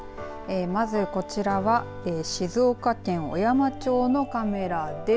まずこちらは静岡県小山町のカメラです。